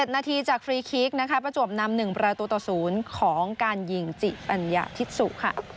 นาทีจากฟรีคิกนะคะประจวบนำ๑ประตูต่อ๐ของการยิงจิปัญญาทิศสุค่ะ